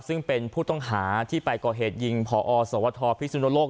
ซึ่งเป็นผู้ต้องหาที่ไปก่อเหตุยิงพอสวทพิสุนโลก